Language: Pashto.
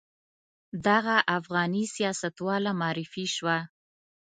دغه افغاني سیاستواله معرفي شوه.